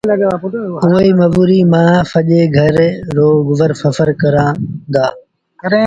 اُئي مزوريٚ مآݩ سڄي گھر رو گزر سڦر ڪريݩ دآ۔